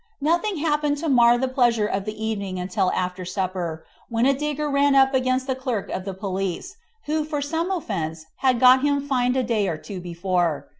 Nothing happened to mar the pleasure of the evening until after supper, when a digger ran up against the clerk of the police, who for some offence had got him fined a day or two before.